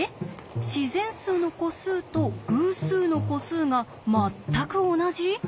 自然数の個数と偶数の個数がまったく同じ！？